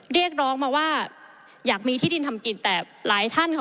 เรียกร้องมาว่าอยากมีที่ดินทำกินแต่หลายท่านค่ะ